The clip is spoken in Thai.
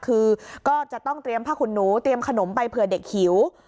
คือก็จะต้องเตรียมผ้าขุนหนูเตรียมขนมไปเผื่อเด็กหิว